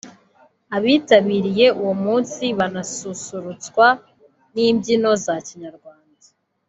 abitabiriye uwo munsi banasusurutswa n’imbyino za Kinyarwanda